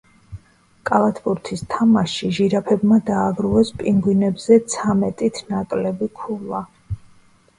კალათბურთის თამაშში ჟირაფებმა დააგროვეს პინგვინებზე ცამეტით ნაკლები ქულა.